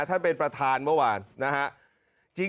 ท่านเป็นประธานเมื่อวานนะฮะ